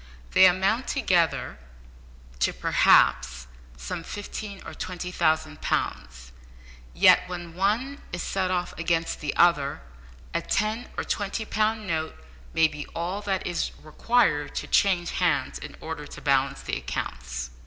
They amount together to perhaps some fifteen or twenty thousand pounds, yet when one is set off against the other a ten or twenty pound note may be all that is required to change hands in order to balance the accounts.